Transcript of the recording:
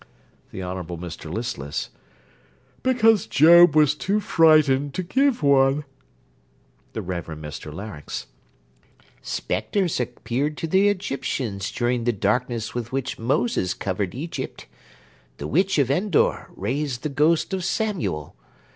THE HONOURABLE MR LISTLESS Because Job was too frightened to give one. THE REVEREND MR LARYNX Spectres appeared to the Egyptians during the darkness with which Moses covered Egypt. The witch of Endor raised the ghost of Samuel.